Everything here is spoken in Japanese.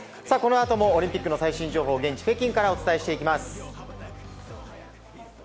このあともオリンピックの最新情報を現地・北京からお伝えしていきます。